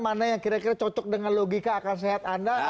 mana yang kira kira cocok dengan logika akal sehat anda